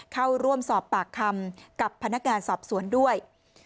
เข้าร่วมสอบปากคำกับพนักงานสอบสวนด้วย